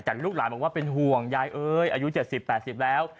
แต่ลูกหลานบอกว่าเป็นห่วงยายเอ้ยอายุ๗๐๘๐แล้ว